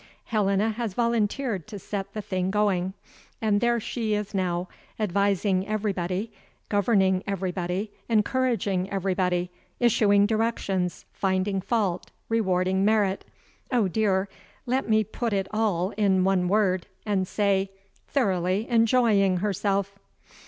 Helena has volunteered to set the thing going. And there she is now, advising everybody, governing everybody, encouraging everybody issuing directions, finding fault, rewarding merit oh, dear, let me put it all in one word, and say: thoroughly enjoying herself.